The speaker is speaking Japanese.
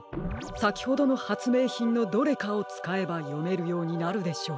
さきほどのはつめいひんのどれかをつかえばよめるようになるでしょう。